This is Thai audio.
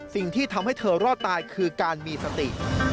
สิ่งที่ทำให้เธอรอดตายคือการมีสติ